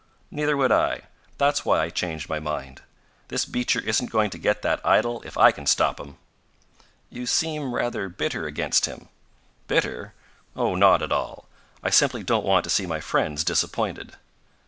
"Neither would I. That's why I changed my mind. This Beecher isn't going to get that idol if I can stop him!" "You seem rather bitter against him." "Bitter? Oh, not at all. I simply don't want to see my friends disappointed."